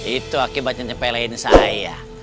itu akibatnya nyepelein saya